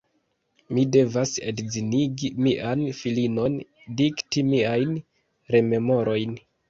Mi devas edzinigi mian filinon, dikti miajn rememorojn.